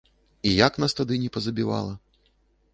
І як нас тады не пазабівала?